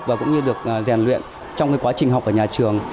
và cũng như được rèn luyện trong quá trình học ở nhà trường